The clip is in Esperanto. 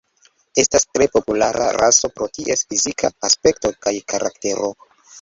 Estas tre populara raso pro ties fizika aspekto kaj karaktero.